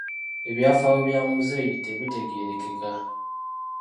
Ebyafaayo bya Muzeeyi tebitegeerekeka.